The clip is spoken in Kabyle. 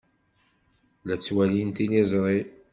La ttwaliɣ tiliẓri.